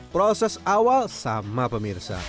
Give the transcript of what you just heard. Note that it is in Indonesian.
proses awal sama pemirsa